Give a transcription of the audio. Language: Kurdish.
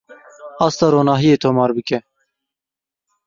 Asta ronahiyê tomar bike.